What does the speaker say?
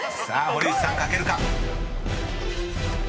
［さあ堀内さん書けるか？］